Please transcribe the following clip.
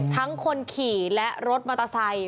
คนขี่และรถมอเตอร์ไซค์